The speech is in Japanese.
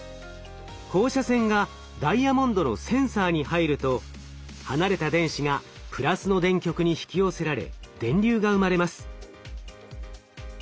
放射線がダイヤモンドのセンサーに入ると離れた電子がプラスの電極に引き寄せられ電流が生まれます。